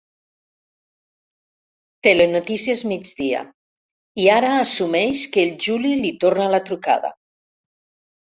«Telenotícies migdia» i ara assumeix que el Juli li torna la trucada.